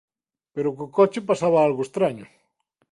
Pero co coche pasaba algo estraño.